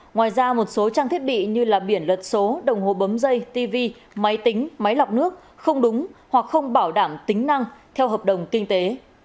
ngoài ra một số trang thiết bị như biển luật số đồng hồ bấm dây tv máy tính máy lọc nước không đúng hoặc không bảo đảm tính năng theo hợp đồng kinh tế